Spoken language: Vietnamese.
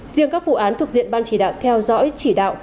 riêng các vụ án thuộc diện ban chỉ đạo theo dõi chỉ đạo